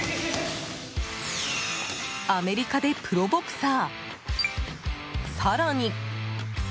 アメリカでプロボクサー、更に。